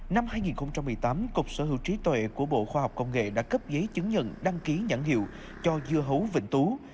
năm hai nghìn một mươi tám cục sở hữu trí tuệ của bộ khoa học công nghệ đã cấp giấy chứng nhận đăng ký nhãn hiệu cho dưa hấu vĩnh tú